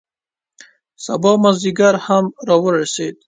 سبا مازدیګر هم را ورسید.